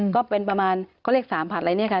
ก็เป็นประมาณเขาเลข๓ผัดอะไรเนี่ยค่ะ